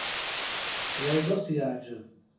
Wayeḍ ad s-yeɛǧeb.